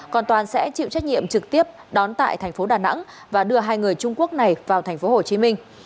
còn toàn sẽ chịu trách nhiệm trực tiếp đón tại thành phố đà nẵng và đưa hai người trung quốc này vào thành phố hồ chí minh